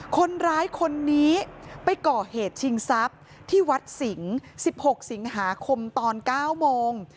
คนร้ายคนนี้ไปก่อเหตุชิงทรัพย์ที่วัดสิงห์๑๖สิงหาคมตอน๙โมง